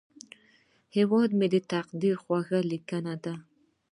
هیواد مې د تقدیر خوږه لیکنه ده